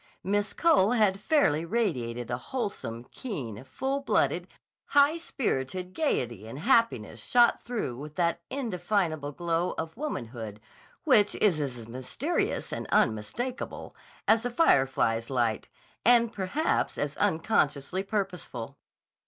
Miss Cole had fairly radiated a wholesome, keen, full blooded, high spirited gayety and happiness shot through with that indefinable glow of womanhood which is as mysterious and unmistakable as the firefly's light and perhaps as unconsciously purposeful.